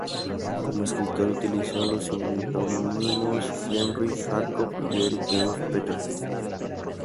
Como escritor utilizó los seudónimos Henry E. Jacob y Eric Jens Petersen.